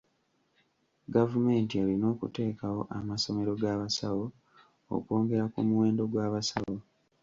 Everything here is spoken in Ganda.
Gavumenti erina okuteekawo amasomero g'abasawo okwongera ku muwendo gw'abasawo.